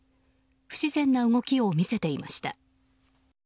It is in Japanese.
不自然な動きを見せていました。